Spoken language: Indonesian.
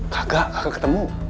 kagak kagak ketemu